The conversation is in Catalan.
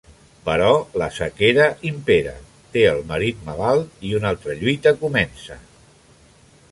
Però la sequera impera, té el marit malalt i una altra lluita comença.